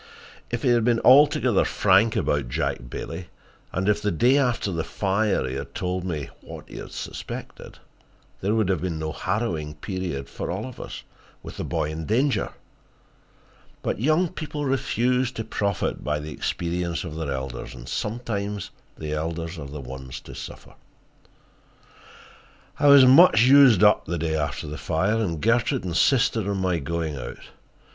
If he had been altogether frank about Jack Bailey, and if the day after the fire he had told me what he suspected, there would have been no harrowing period for all of us, with the boy in danger. But young people refuse to profit by the experience of their elders, and sometimes the elders are the ones to suffer. I was much used up the day after the fire, and Gertrude insisted on my going out.